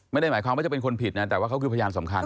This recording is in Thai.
ไม่ได้หมายความว่าจะเป็นคนผิดนะแต่ว่าเขาคือพยานสำคัญ